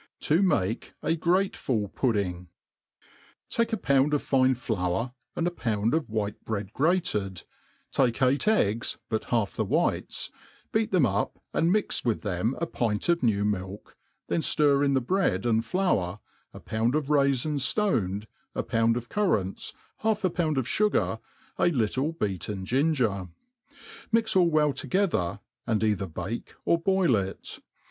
To make a GraiefuUPudding. TAKE a pound of fine flour,' and a pound of white bread grated, ^ake eight eggs, but half the whites, beat them up, ^nd tanix with them a pint of new milk, then ftir in the bread and flour, a pound of raifins ftoned, a pound of currant^, half a pound of fugar, a little beaten ginger; mix all well together, and either bake or boil it.